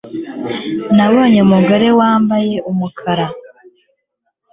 nabonye umugore wambaye umukara